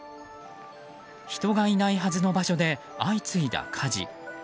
人がいないはずの場所で相次いだ火事。